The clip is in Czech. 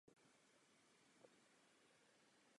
Trup je v přední části oválný.